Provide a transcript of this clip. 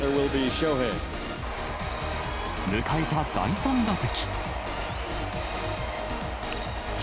迎えた第３打席。